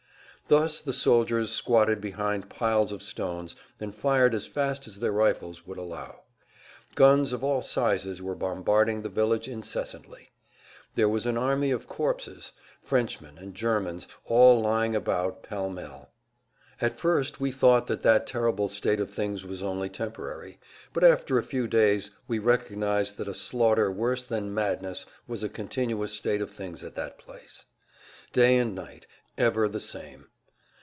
Thus the soldiers squatted behind piles of stones and fired as fast as their rifles would allow. Guns of all sizes were bombarding the village incessantly. There was an army of corpses, Frenchmen and Germans, all lying about pell mell. At first we thought that that terrible state of things was only temporary, but after a few days we recognized that a slaughter worse than madness was a continuous state of things at that place. Day and night, ever the same.